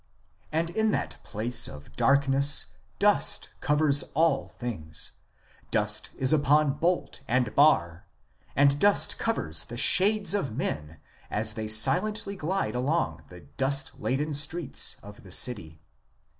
And in that place of darkness dust covers all things ; dust is upon bolt and bar, and dust covers the shades of men as they silently glide along the dust laden streets of the city.